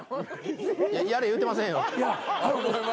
やれ言うてませんよ。